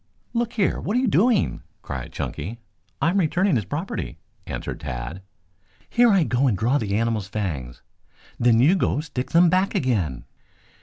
"Look here, what are you doing?" cried Chunky. "I am returning his property," answered Tad. "Here I go and draw the animal's fangs, then you go stick them back again!